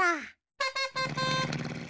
ププププ。